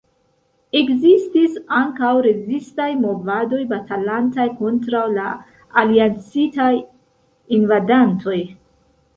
Ekzistis ankaŭ rezistaj movadoj batalantaj kontraŭ la Aliancitaj invadantoj.